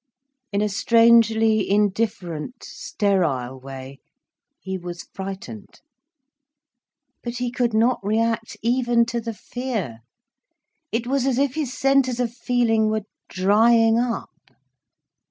In a strangely indifferent, sterile way, he was frightened. But he could not react even to the fear. It was as if his centres of feeling were drying up.